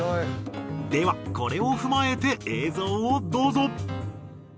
ではこれを踏まえて映像をどうぞ。